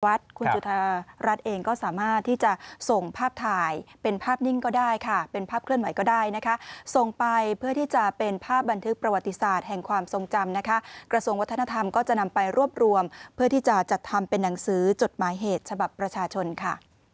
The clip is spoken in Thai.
คุณจุธารัฐเองก็สามารถที่จะส่งภาพถ่ายเป็นภาพนิ่งก็ได้ค่ะเป็นภาพเคลื่อนไหวก็ได้นะคะส่งไปเพื่อที่จะเป็นภาพบันทึกประวัติศาสตร์แห่งความทรงจำนะคะกระทรวงวัฒนธรรมก็จะนำไปรวบรวมเพื่อที่จะจัดทำเป็นหนังสือจดหมายเหตุฉบับประชาชนค่ะ